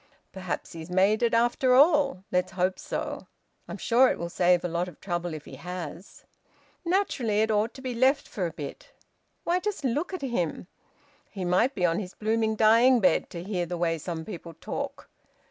Perhaps he's made it, after all. Let's hope so. I'm sure it will save a lot of trouble if he has." "Naturally it ought to be left for a bit! Why just look at him! ... He might be on his blooming dying bed, to hear the way some people talk!